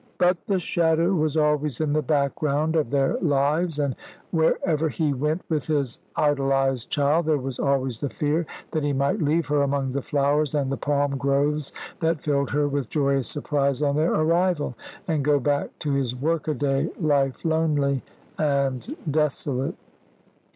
But the shadow was always in the background of their lives, and wherever he went with his idolised child there was always the fear that he might leave her among the flowers and the palm groves that filled her with joyous surprise on their arrival, and go back to his workaday life lonely and desolate.